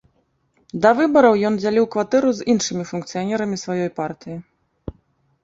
Да выбараў ён дзяліў кватэру з іншымі функцыянерамі сваёй партыі.